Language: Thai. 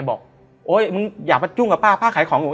บอกโอ๊ยมึงอย่ามายุ่งกับป้าป้าขายของ